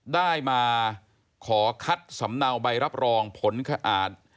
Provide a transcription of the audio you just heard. ได้มาขอคัดสำเนาใบรับรองผลสะอาด